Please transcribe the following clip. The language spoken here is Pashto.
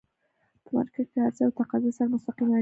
په مارکيټ کی عرضه او تقاضا سره مستقیمه اړیکه لري.